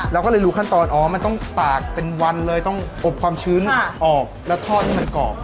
เราก็เลยรู้ขั้นตอนอ๋อมันต้องตากเป็นวันเลยต้องอบความชื้นออกแล้วทอดให้มันกรอบ